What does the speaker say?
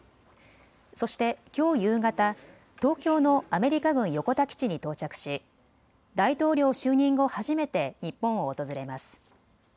そしてきょう夕方、東京のアメリカ軍横田基地に到着し大統領就任後、初めて日本を訪れます。